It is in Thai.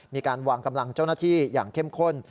มีการวางกำลังเจ้าหน้าที่อย่างเข้มข้น